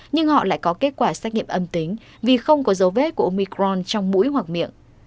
nhưng họ lại có kết quả xét nghiệm âm tính vì không có dấu vết của omicron trong mũi hoặc miệng